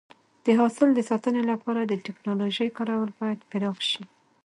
د حاصل د ساتنې لپاره د ټکنالوژۍ کارول باید پراخ شي.